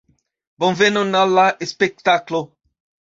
Bonvenon al la spektaklo!